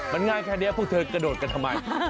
มันง่ายแค่นี้พวกเธอกระโดดกันทำไม